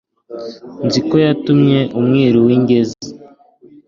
nziko yatumye umwiru w'ingenzi